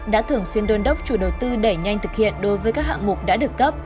đã thường xuyên đôn đốc chủ đầu tư đẩy nhanh thực hiện đối với các hạng mục đã được cấp